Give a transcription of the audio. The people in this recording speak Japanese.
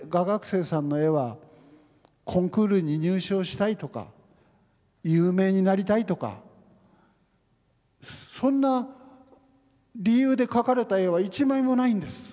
生さんの絵はコンクールに入賞したいとか有名になりたいとかそんな理由で描かれた絵は一枚もないんです。